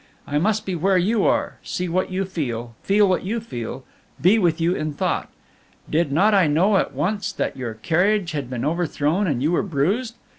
I must be where you are, see what you feel, feel what you feel, be with you in thought. Did not I know, at once, that your carriage had been overthrown and you were bruised?